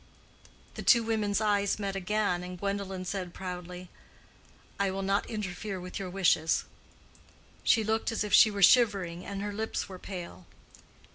The two women's eyes met again, and Gwendolen said proudly, "I will not interfere with your wishes." She looked as if she were shivering, and her lips were pale.